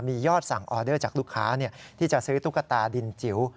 มียอดสั่งออเดอร์จากลูกค้าที่จะซื้อตุ๊กตาดินจิ๋ว